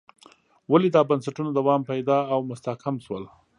ولې دا بنسټونه دوام پیدا او مستحکم شول.